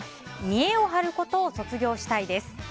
見えを張ることを卒業したいです。